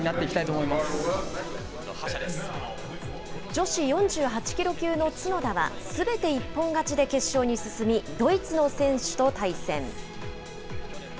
女子４８キロ級の角田は、すべて一本勝ちで決勝に進み、ドイツの選手と対戦。